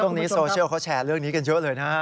ช่วงนี้โซเชียลเขาแชร์เรื่องนี้กันเยอะเลยนะฮะ